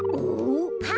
はい。